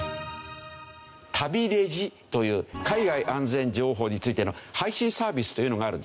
「たびレジ」という海外安全情報についての配信サービスというのがあるんですね。